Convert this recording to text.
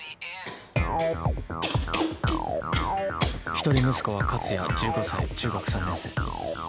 一人息子は克哉１５歳中学３年生。